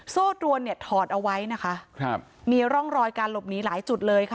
โซ่ตรวนถอดเอาไว้มีร่องรอยการหลบหนีหลายจุดเลย